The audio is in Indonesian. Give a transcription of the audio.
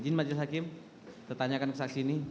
izin majelis hakim tertanyakan ke saksi ini